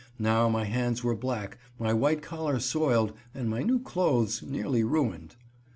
Now my hands were black, my white collar soiled, and my new clothes nearly ruined.